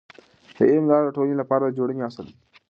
د علم لاره د ټولنې لپاره د جوړونې اصل دی.